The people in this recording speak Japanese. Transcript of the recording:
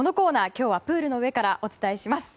今日はプールの上からお伝えします。